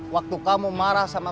waktu kamu marah sama